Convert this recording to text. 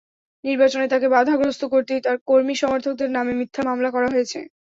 নির্বাচনে তাঁকে বাধাগ্রস্ত করতেই তাঁর কর্মী-সমর্থকদের নামে মিথ্যা মামলা করা হয়েছে।